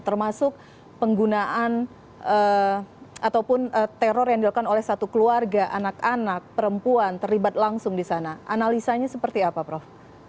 termasuk penggunaan ataupun teror yang dilakukan oleh satu keluarga anak anak perempuan terlibat langsung di sana analisanya seperti apa prof